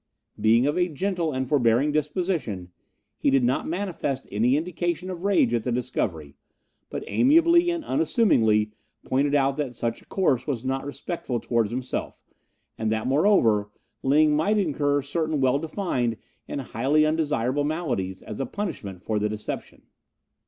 Being of a gentle and forbearing disposition, he did not manifest any indication of rage at the discovery, but amiably and unassumingly pointed out that such a course was not respectful towards himself, and that, moreover, Ling might incur certain well defined and highly undesirable maladies as a punishment for the deception.